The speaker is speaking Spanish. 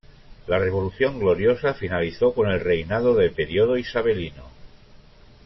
La Revolución Gloriosa finalizó con el reinado de periodo isabelino.